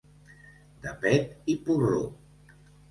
De pet i porró.